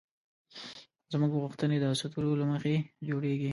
زموږ غوښتنې د اسطورو له مخې جوړېږي.